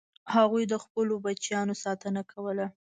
هغوی د خپلو بچیانو ساتنه کوله.